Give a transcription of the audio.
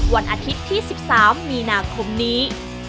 วันอาทิตย์ที่๑๓มีนาคมนี้